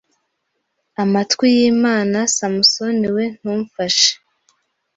amatwi yimana Samusoni we ntumfashe